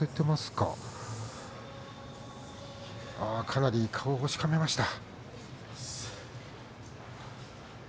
かなり顔をしかめました。